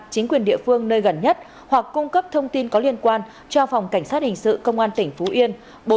chính quyền địa phương nơi gần nhất hoặc cung cấp thông tin có liên quan cho phòng cảnh sát hình sự công an tỉnh phú yên